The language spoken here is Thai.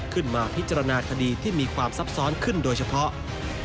ขึ้นมาพิจารณาคดีที่มีความซับซ้อนขึ้นโดยเฉพาะ